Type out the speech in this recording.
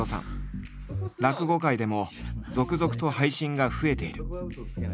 落語界でも続々と配信が増えている。